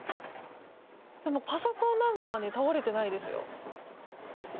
でもパソコンなんかは倒れてないですよ。